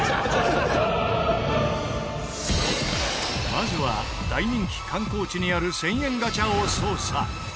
まずは大人気観光地にある１０００円ガチャを捜査。